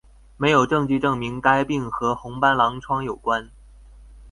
没有证据证明该病和红斑狼疮有关。